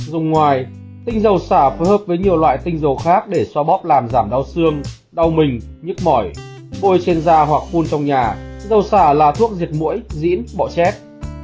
dùng ngoài tinh dầu xả phối hợp với nhiều loại tinh dầu khác để so bóp làm giảm đau xương đau mình nhức mỏi bôi trên da hoặc phun trong nhà dầu xả là thuốc diệt mũi dĩn bỏ chép